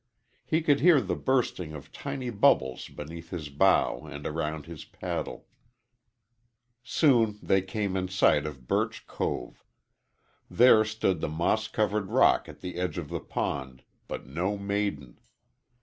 He could hear the bursting of tiny bubbles beneath his bow and around his paddle. Soon they came in sight of Birch Cove. There stood the moss covered rock at the edge of the pond, but no maiden.